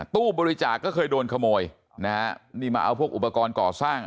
ตู้บริจาคก็เคยโดนขโมยนะฮะนี่มาเอาพวกอุปกรณ์ก่อสร้าง